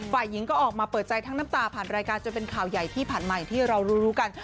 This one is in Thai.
ฝ่ายหญิงก็ออกมาเปิดใจทั้งน้ำตาผ่านรายการจนเป็นข่าวใหญ่ที่ผ่านมาอย่างที่เรารู้กัน